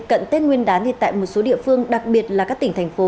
cận tết nguyên đán thì tại một số địa phương đặc biệt là các tỉnh thành phố